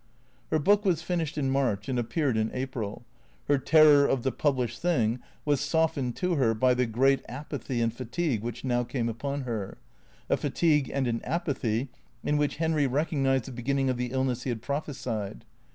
Her book was finished in March and appeared in April. Her terror of the published thing was softened to her by the great apathy and fatigue which now came upon her ; a fatigue and an apathy in which Henry recognized the beginning of the illness he had prophesied.